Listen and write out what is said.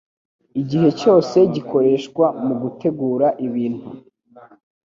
Igihe cyose gikoreshwa mu gutegura ibintu